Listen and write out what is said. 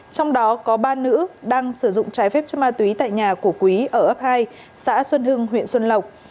trong đó có ba nữ đang sử dụng trái phép chất ma túy tại nhà của quý ở ấp hai xã xuân hưng huyện xuân lộc